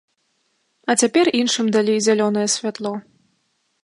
А цяпер іншым далі зялёнае святло.